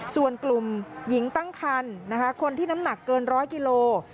ส่วนกลุ่มหญิงตั้งคันคนที่น้ำหนักเกิน๑๐๐กิโล